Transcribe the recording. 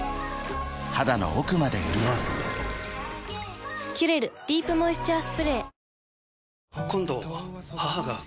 肌の奥まで潤う「キュレルディープモイスチャースプレー」